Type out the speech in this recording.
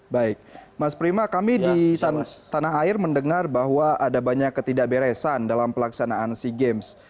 baik mas prima kami di tanah air mendengar bahwa ada banyak ketidakberesan dalam pelaksanaan sea games